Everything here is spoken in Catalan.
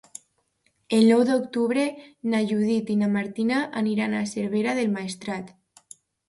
El nou d'octubre na Judit i na Martina aniran a Cervera del Maestrat.